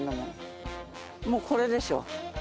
もうこれでしょ。